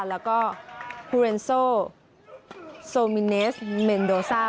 แล้วก็ฮูเรนโซมิเนสเมนโดซ่า